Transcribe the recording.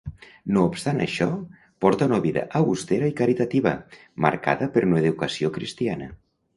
No obstant això, porta una vida austera i caritativa, marcada per una educació cristiana.